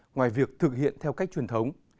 ngoài việc thực hiện theo cách truyền thống